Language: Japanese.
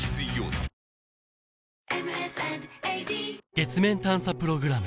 月面探査プログラム